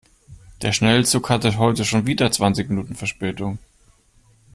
Der Schnellzug hatte heute schon wieder zwanzig Minuten Verspätung.